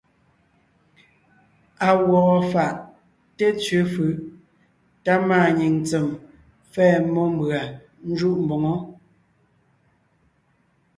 À gwɔgɔ fáʼ té tsẅe fʉʼ tá máanyìŋ tsem pfɛ́ɛ mmó mbʉ̀a ńjúʼ mboŋó.